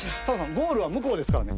ゴールはむこうですからね。